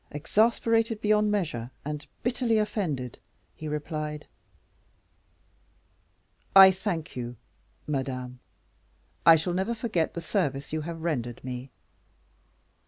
Exasperated beyond measure, and bitterly offended, he replied: "I thank you, Madame; I shall never forget the service you have rendered me."